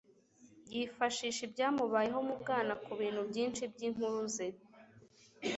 Yifashisha ibyamubayeho mu bwana kubintu byinshi byinkuru ze